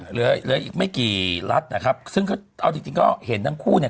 เหลือเหลืออีกไม่กี่รัฐนะครับซึ่งเขาเอาจริงจริงก็เห็นทั้งคู่เนี่ย